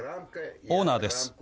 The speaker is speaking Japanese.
オーナーです。